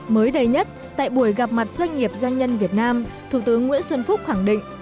mới đây nhất tại buổi gặp mặt doanh nghiệp doanh nhân việt nam thủ tướng nguyễn xuân phúc khẳng định